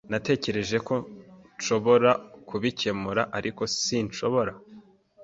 Natekereje ko nshobora kubikemura, ariko sinshobora.